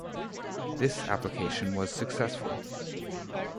This application was successful.